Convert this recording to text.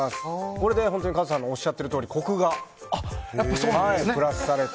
これでカズさんのおっしゃるとおりコクがプラスされて